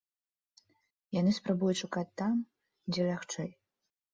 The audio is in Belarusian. Яны спрабуюць шукаць там, дзе лягчэй.